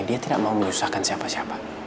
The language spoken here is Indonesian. dia tidak mau menyusahkan siapa siapa